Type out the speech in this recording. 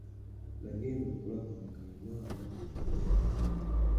Nagenda okulaba nga ye maama ye nnyini.